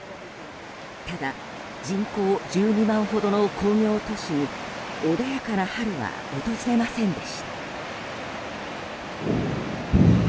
ただ、人口１２万ほどの工業都市に穏やかな春は訪れませんでした。